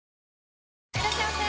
いらっしゃいませ！